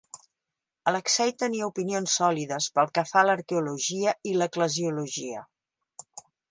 Alexei tenia opinions sòlides pel que fa a l'arqueologia i l'eclesiologia.